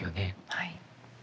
はい。